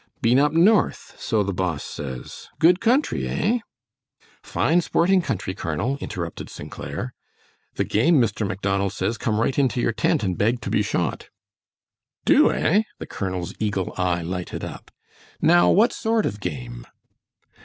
Been up north, so the boss says. Good country, eh?" "Fine sporting country, Colonel," interrupted St. Clair. "The game, Mr. Macdonald says, come right into your tent and bed to be shot." "Do, eh?" The colonel's eagle eye lighted up. "Now, what sort of game?"